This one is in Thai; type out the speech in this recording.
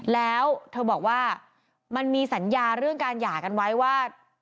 แล้วเธอบอกว่ามันมีสัญญาเรื่องการหย่ากันไว้ว่า